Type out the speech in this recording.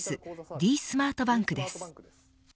ｄスマートバンクです。